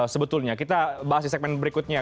sebetulnya kita bahas di segmen berikutnya